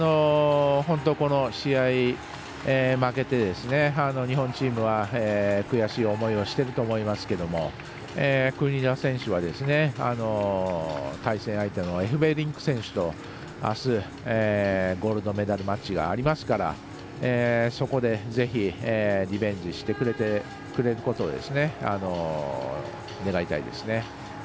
本当この試合、負けて日本チームは悔しい思いをしてると思いますけど国枝選手は、対戦相手のエフベリンク選手とあす、ゴールドメダルマッチがありますからそこで、ぜひリベンジしてくれることを願いたいですね。